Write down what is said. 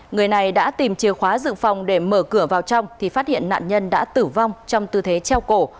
người này đã tìm chìa khóa dự phòng để mở cửa vào trong thì phát hiện nạn nhân đã tử vong trong tư thế treo cổ